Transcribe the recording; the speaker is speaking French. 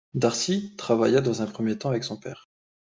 D'Arcy travailla dans un premier temps avec son père.